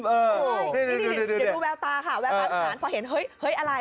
เดี๋ยวดูแววตาค่ะแววตาอีสานพอเห็นเฮ้ยอะไร